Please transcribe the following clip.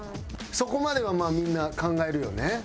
そこまではまあみんな考えるよね。